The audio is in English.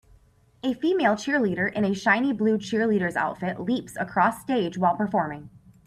A female cheerleader in a shiney blue cheerleaders outfit leaps across stage while performing.